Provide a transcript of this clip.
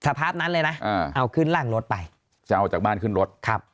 ภาพนั้นเลยนะอ่าเอาขึ้นร่างรถไปจะเอาจากบ้านขึ้นรถครับ